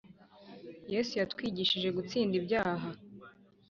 Yesu yatwigishije, gutsinda ibyaha